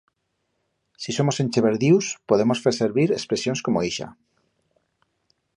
Si somos encheberdius, podemos fer servir expresions como ixa.